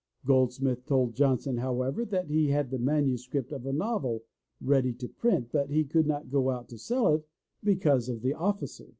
Goldsmith told John son, however, that he had the manuscript of a novel ready for no THE LATCH KEY print, but could not go out to sell it because of the officer.